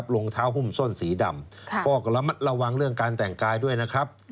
รองเท้าหุ้มส้นสีดำก็ระมัดระวังเรื่องการแต่งกายด้วยนะครับ